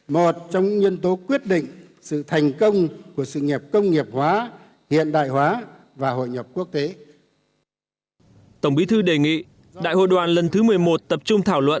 một trong nhân tố quyết định sự thành công của sự nghiệp công nghiệp hóa